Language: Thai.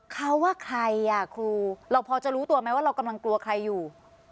เขาว่าใครอ่ะครูเราพอจะรู้ตัวไหมว่าเรากำลังกลัวใครอยู่